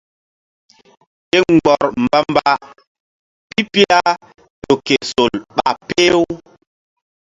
Ke mgbɔr mba-mba pipila ƴo ke sol ɓa peh-u.